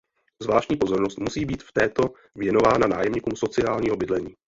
Zvláštní pozornost musí být v této věnována nájemníkům sociálního bydlení.